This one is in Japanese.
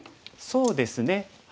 そうですね。